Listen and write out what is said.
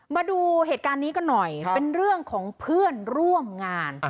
มาดูเหตุการณ์นี้กันหน่อยเป็นเรื่องของเพื่อนร่วมงาน